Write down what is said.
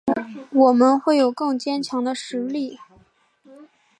我们会有更坚强的实力